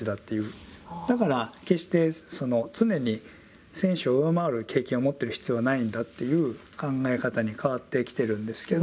だから決してその常に選手を上回る経験を持ってる必要はないんだという考え方に変わってきてるんですけど。